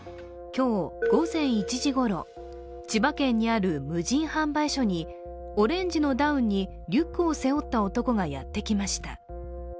今日、午前１時ごろ、千葉県にある無人販売所にオレンジのダウンにリュックを背負った男がやってきました。